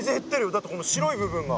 だってこの白い部分が。